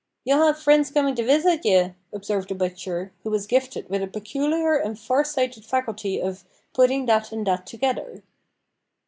"Ye'll ha'e frien's comin' to veesit ye," observed the butcher, who was gifted with a peculiar and far sighted faculty of "putting that and that together."